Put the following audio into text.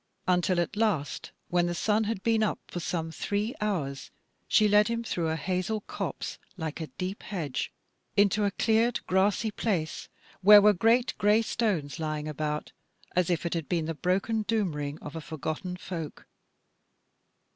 Until at last when the sun had been up for some three hours, she led him through a hazel copse, like a deep hedge, into a cleared grassy place where were great grey stones lying about, as if it had been the broken doom ring of a forgotten folk.